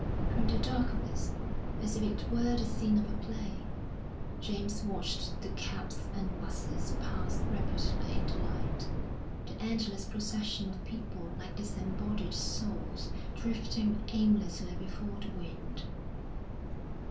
From the darkness, as if it were the scene of a play, James watched the cabs and 'buses pass rapidly in the light, the endless procession of people like disembodied souls drifting aimlessly before the wind.